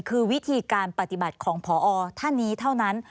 คือวิธีการปฏิบัติของพอท่านนี้เท่านั้น